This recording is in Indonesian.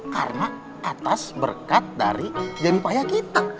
karena atas berkat dari jenipaya kita